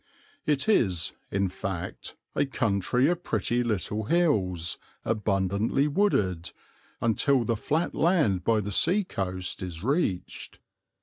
It is, in fact, a country of pretty little hills, abundantly wooded, until the flat land by the sea coast is reached.